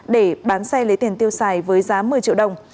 để bán xe lấy tiền tiêu xài với giá một mươi triệu đồng